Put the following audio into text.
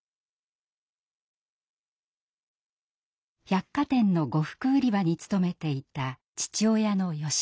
百貨店の呉服売り場に勤めていた父親の良雄さん。